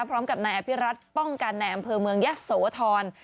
พร้อมกับนายอภิรัตนป้องกันในอำเภอเมืองยะโสธร